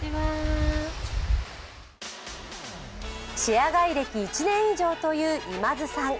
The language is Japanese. シェア買い歴１年以上という今津さん。